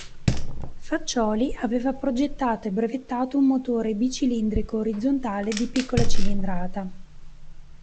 Faccioli aveva progettato e brevettato un motore bicilindrico orizzontale di piccola cilindrata.